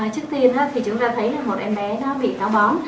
trước tiên thì chúng ta thấy là một em bé bị táo bón